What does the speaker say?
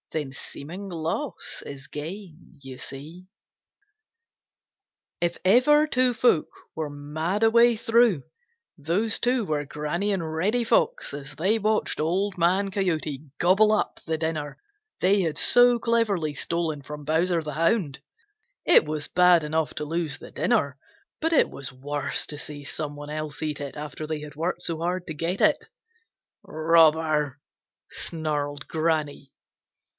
Then seeming loss is gain, you see. —Old Granny Fox. If ever two folks were mad away through, those two were Granny and Reddy Fox as they watched Old Man Coyote gobble up the dinner they had so cleverly stolen from Bowser the Hound. It was bad enough to lose the dinner, but it was worse to see some one else eat it after they had worked so hard to get it. "Robber!" snarled Granny.